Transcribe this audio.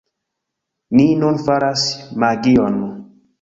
Ni nun faras magion